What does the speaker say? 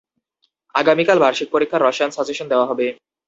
আগামীকাল বার্ষিক পরীক্ষার রসায়ন সাজেশন দেওয়া হবে।